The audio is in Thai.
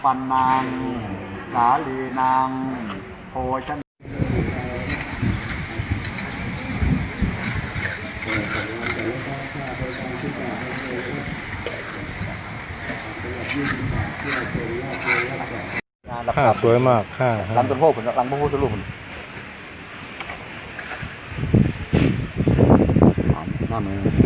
อูปประยันทร์กันนะสัมภัณฑ์นั่งสหรีนั่ง